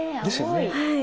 はい。